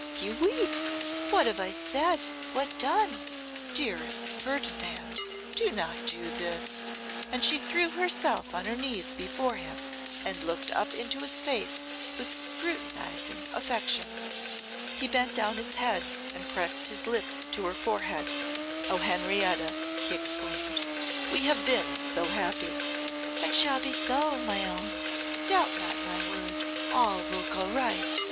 you weep! What have I said, what done? Dearest Ferdinand, do not do this.' And she threw herself on her knees before him, and looked up into his face with scrutinising affection. He bent down his head, and pressed his lips to her forehead. 'O Henrietta!' he exclaimed, 'we have been so happy!' 'And shall be so, my own. Doubt not my word, all will go right.